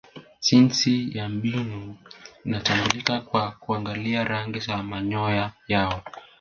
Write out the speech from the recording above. jinsia ya mbuni inatambulika kwa kuangalia rangi za manyoya yao